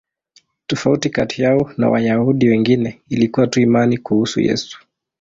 Tofauti kati yao na Wayahudi wengine ilikuwa tu imani kuhusu Yesu.